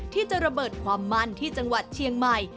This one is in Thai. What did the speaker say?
ที่จะระเบิดความมั่นที่จังหวัดเชียงใหม่